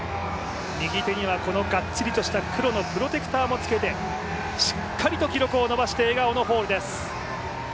右手にはこのガッツリとした黒のプロテクターもつけて、しっかりと記録を伸ばして笑顔のホールです。